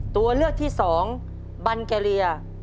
ตัวเลือกที่สองบันเกเลีย